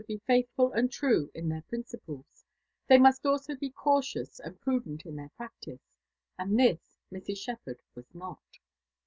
be faithful and true in their priaeipl they nniat alao be eaotipuA and prudent in their practice ; and this lira. Shiipherd waa not.